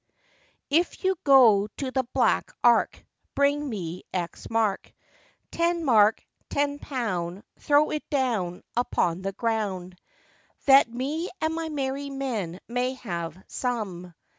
If you go to the black ark, bring me X mark; Ten mark, ten pound, throw it down upon the ground, That me and my merry men may have some.